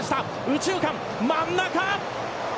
右中間、真ん中。